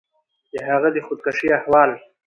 د هغه د خودکشي احوال